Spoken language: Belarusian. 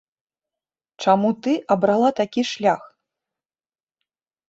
Чаму ты абрала такі шлях?